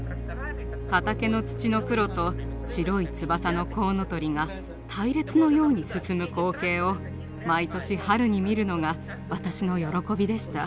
畑の土の黒と白い翼のコウノトリが隊列のように進む光景を毎年春に見るのが私の喜びでした。